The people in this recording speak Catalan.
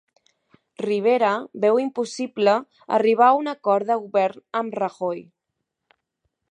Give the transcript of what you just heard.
Rivera veu impossible arribar a un acord de govern amb Rajoy